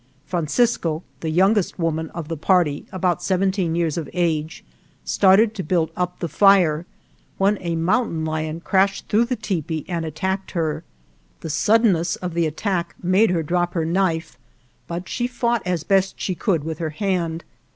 Francisco, the youngest woman of the party (about seventeen years of age), started to build up the fire, when a moun 65 GERONIMO tain lion crashed through the tepee and at tacked her. The suddenness of the attack made her drop her knife, but she fought as best she could with her hand.